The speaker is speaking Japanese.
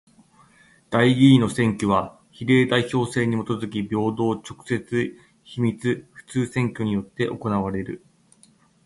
代議員の選挙は比例代表制にもとづき平等、直接、秘密、普通選挙によって行われる。